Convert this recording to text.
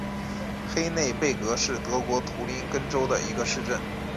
黑内贝格是德国图林根州的一个市镇。